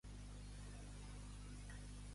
Actualment hi ha unes pintures al·lusives a la Verge.